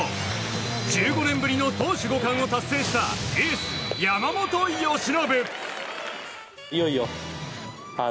１５年ぶりの投手５冠を達成したエース、山本由伸。